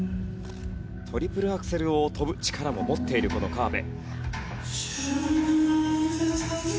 トリプルアクセルを跳ぶ力も持っているこの河辺。